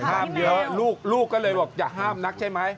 ห้ามเยอะลูกก็เลยบอกอย่าห้ามนักใช่ไหม